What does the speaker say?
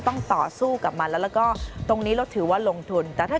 ต้องต่อสู้กับมันแล้วแล้วก็ตรงนี้เราถือว่าลงทุนแต่ถ้า